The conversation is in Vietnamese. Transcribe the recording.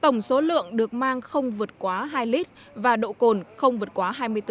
tổng số lượng được mang không vượt quá hai lít và độ cồn không vượt quá hai mươi bốn